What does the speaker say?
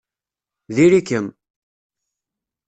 Diri-kem!